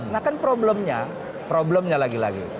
nah kan problemnya problemnya lagi lagi